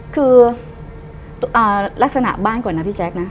คือลักษณะบ้านก่อนนะพี่แจ๊คนะ